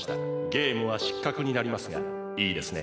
ゲームはしっかくになりますがいいですね？